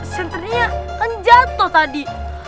senternya kan jatuh tadi